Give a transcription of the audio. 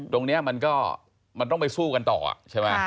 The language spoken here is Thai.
มันก็มันต้องไปสู้กันต่อใช่ไหม